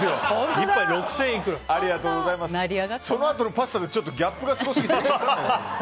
そのあとのパスタでちょっとギャップがすごすぎて。